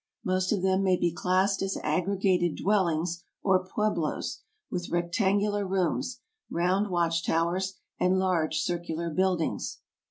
Most of them may be classed as aggre gated dwellings or pueblos, with rectangular rooms, round watch towers, and large circular buildings.